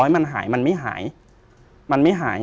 มันหายมันไม่หาย